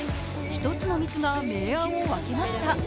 １つのミスが明暗を分けました。